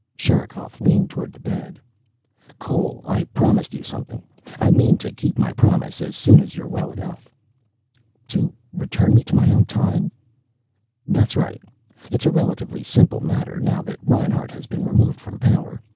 Sherikov leaned toward the bed. "Cole, I promised you something. I mean to keep my promise as soon as you're well enough." "To return me to my own time?" "That's right. It's a relatively simple matter, now that Reinhart has been removed from power.